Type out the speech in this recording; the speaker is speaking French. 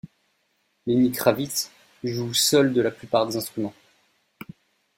Lenny Kravitz joue seul de la plupart des instruments.